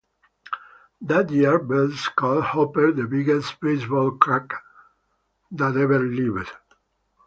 That year, Bell called Hopper the biggest baseball crank that ever lived.